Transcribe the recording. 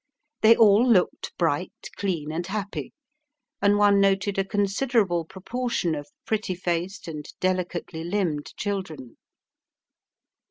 They all looked bright, clean, and happy, and one noted a considerable proportion of pretty faced and delicately limbed children.